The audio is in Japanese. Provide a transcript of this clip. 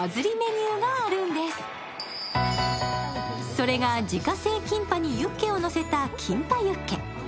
それが自家製キンパにユッケをのせたキンパユッケ。